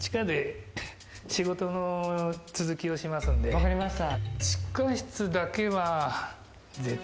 分かりました。